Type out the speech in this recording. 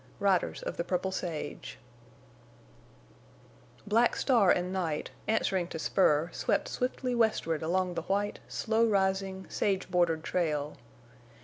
RIDERS OF THE PURPLE SAGE Black Star and Night, answering to spur, swept swiftly westward along the white, slow rising, sage bordered trail.